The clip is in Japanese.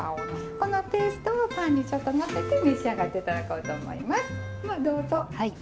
このペーストをパンにちょっとのせて召し上がって頂こうと思います。